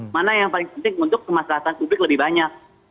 mana yang paling penting untuk kemaslahan publik lebih banyak